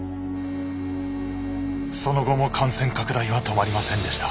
その後も感染拡大は止まりませんでした。